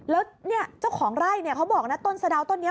แล้วเจ้าของไร่เค้าบอกว่าต้นสะดาวต้นนี้